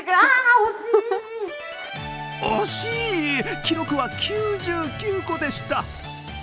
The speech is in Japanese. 惜しい、記録は９９個でした。